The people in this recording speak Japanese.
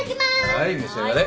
はい召し上がれ。